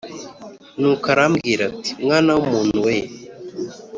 Nuko arambwira ati mwana w umuntu we